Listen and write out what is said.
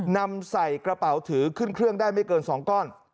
นำใส่กระเป๋าถือขึ้นเครื่องได้ไม่เกิน๒ก้อน